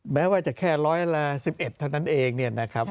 แม้ว่าจะแค่ร้อยละ๑๑เท่านั้นเองครับ